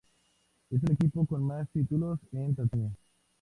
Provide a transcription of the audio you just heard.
Es el equipo con más títulos en Tanzania.